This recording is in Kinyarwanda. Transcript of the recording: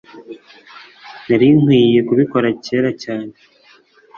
Nari nkwiye kubikora kera cyane.